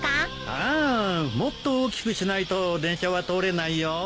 ああもっと大きくしないと電車は通れないよ。